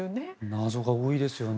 謎が多いですよね。